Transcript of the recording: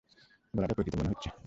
গলাটা পরিচিত মনে হচ্ছে।